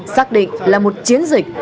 xác định là một chiến dịch